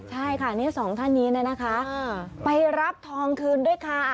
ใช่ค่ะนี่สองท่านนี้เนี่ยนะคะไปรับทองคืนด้วยค่ะ